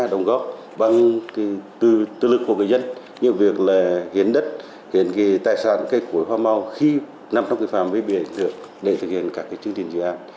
đồng góp bằng tư lực của người dân như việc hiến đất hiến tài sản cây củi hoa mau khi nằm trong phàm với biển được để thực hiện các chương trình dự án